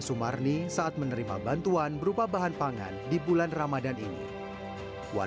hens abc mengajak masyarakat indonesia